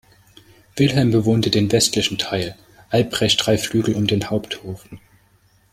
Wilhelm bewohnte den Westlichsten Teil, Albrecht drei Flügel um den Haupthof.